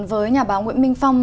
với nhà báo nguyễn minh phong